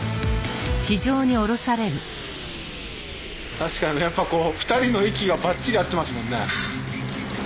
確かにやっぱこう２人の息がばっちり合ってますもんね。